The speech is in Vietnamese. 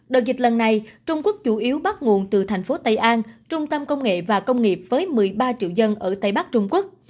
đợt dịch lần này trung quốc chủ yếu bắt nguồn từ tp tây an trung tâm công nghệ và công nghiệp với một mươi ba triệu dân ở tp trung quốc